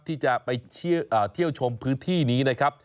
ที่จะไปเที่ยวชมพื้นที่นี้นะครับ